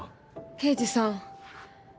刑事さん。